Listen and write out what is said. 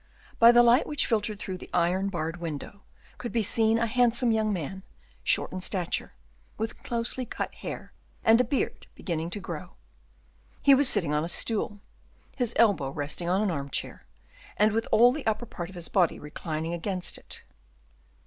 By the light which filtered through the iron barred window, could be seen a handsome young man, short in stature, with closely cut hair, and a beard beginning to grow; he was sitting on a stool, his elbow resting on an armchair, and with all the upper part of his body reclining against it.